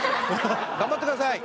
頑張ってください！